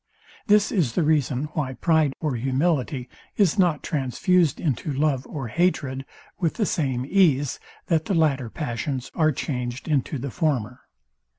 This is the reason why pride or humility is not transfused into love or hatred with the same ease, that the latter passions are changed into the former.